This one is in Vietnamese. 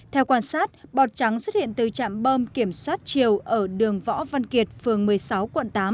theo quan sát bọt trắng xuất hiện từ trạm bơm kiểm soát chiều ở đường võ văn kiệt phường một mươi sáu quận tám